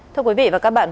thưa quý vị và các bạn